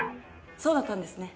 そうだったんですね。